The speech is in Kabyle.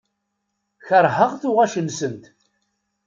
Keṛheɣ tuɣac-nsent.